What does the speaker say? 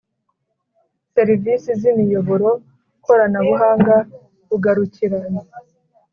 serivisi z imiyoboro koranabuhanga bugarukira